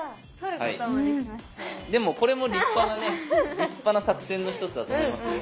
でもこれも立派なね立派な作戦の一つだと思いますよ。